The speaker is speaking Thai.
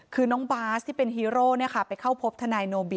คือน้องบาสที่เป็นฮีโร่ไปเข้าพบทนายโนบิ